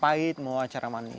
pourrait di pasangan masyarakat